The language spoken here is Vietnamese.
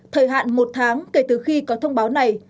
thời hạn một tháng kể từ khi có thông báo này